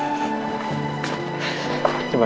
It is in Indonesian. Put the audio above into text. tunggu sampai aku nyaman